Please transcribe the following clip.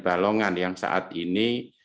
belongan yang saat ini